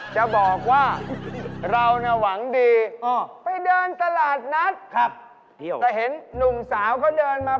แล้วเห็นหนุ่มสาวเขาเดินมา